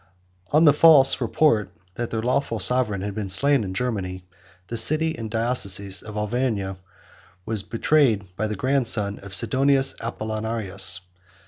103 On the false report, that their lawful sovereign had been slain in Germany, the city and diocese of Auvergne were betrayed by the grandson of Sidonius Apollinaris.